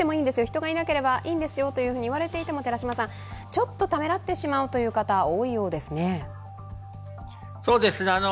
人がいなければいいんですよと言われていても寺嶋さん、ちょっとためらってしまう方、多いようですね。